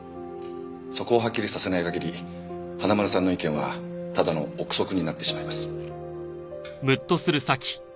そこをハッキリさせない限り花村さんの意見はただの憶測になってしまいます。